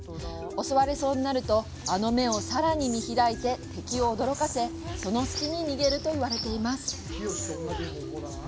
襲われそうになるとあの目をさらに見開いて敵を驚かせその隙に逃げると言われています。